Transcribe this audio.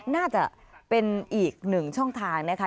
น่าจะเป็นอีกหนึ่งช่องทางนะคะ